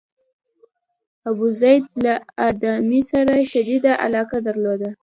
ابوزید له ادامې سره شدیده علاقه درلوده.